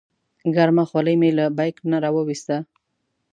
ګرمه خولۍ مې له بیک نه راوویسته.